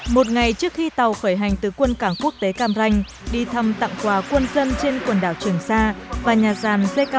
một ngày trước khi tàu khởi hành từ quân cảng quốc tế cam ranh đi thăm tặng quà quân dân trên quần đảo trường sa và nhà gian jk